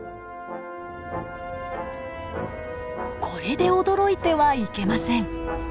これで驚いてはいけません。